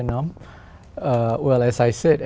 như tôi đã nói